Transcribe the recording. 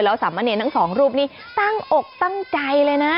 สามเณรทั้งสองรูปนี้ตั้งอกตั้งใจเลยนะ